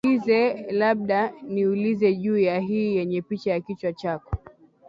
Usiniulize labda niulize juu ya hii yenye picha ya kichwa chako